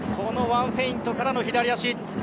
ワンフェイントからの南野、左足。